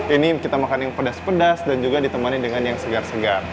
ini kita makan yang pedas pedas dan juga ditemani dengan yang segar segar